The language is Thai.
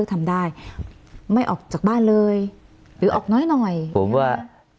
ทำเหมือนปกติครับ